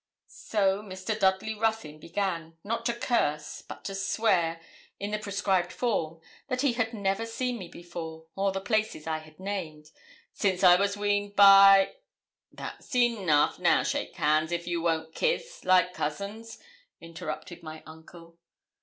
So Mr. Dudley Ruthyn began, not to curse, but to swear, in the prescribed form, that he had never seen me before, or the places I had named, 'since I was weaned, by ' 'That's enough now shake hands, if you won't kiss, like cousins,' interrupted my uncle.